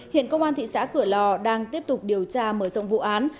hiện công an thị xã cửa lò đang tiếp tục điều tra mở rộng vụ án